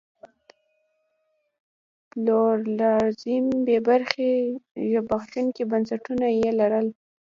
پلورالېزم بې برخې زبېښونکي بنسټونه یې لرل.